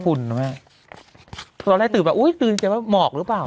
พุ่นนะแม่เวลาแล้วตื่อแบบอุ๊ยตื่นเจ๋วมอกหรือเปล่า